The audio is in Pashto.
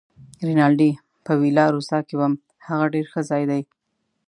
رینالډي: په ویلا روسا کې وم، هغه ډېر ښه ځای دی.